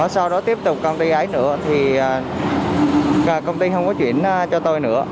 sau đó tiếp tục công ty ấy nữa thì công ty không có chuyển cho tôi nữa